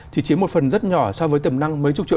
chỉ chiếm một phần rất nhỏ so với tiềm năng mấy chục triệu